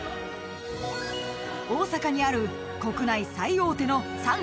［大阪にある国内最大手のサンゴ